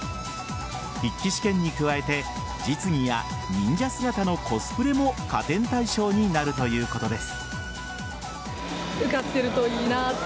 筆記試験に加えて実技や忍者姿のコスプレも加点対象になるということです。